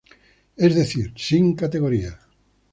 Es decir: sin categorías.